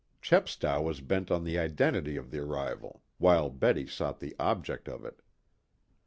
Chepstow was bent on the identity of the arrival, while Betty sought the object of it.